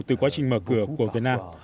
từ quá trình mở cửa của việt nam